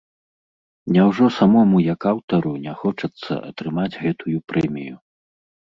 Няўжо самому як аўтару не хочацца атрымаць гэтую прэмію?